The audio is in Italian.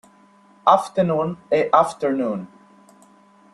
Afternoon" e "Afternoon".